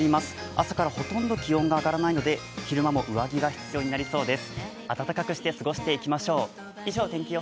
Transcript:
朝からほとんど気温が上がらないので、昼間も上着が必要になりますそうです。